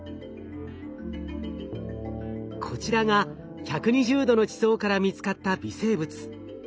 こちらが１２０℃の地層から見つかった微生物。